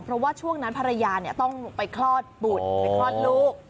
เพราะว่าช่วงนั้นภรรยาต้องไปคลอดบุตรไปคลอดลูก